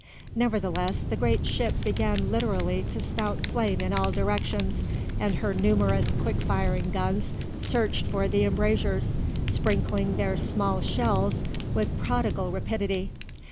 Nevertheless the great ship began literally to spout flame in all directions, and her numerous quick firing guns searched for the embrasures, sprinkling their small shells with prodigal rapidity.